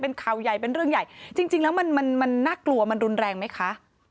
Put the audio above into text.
เป็นข่าวใหญ่เป็นเรื่องใหญ่จริงแล้วมันมันน่ากลัวมันรุนแรงไหมคะ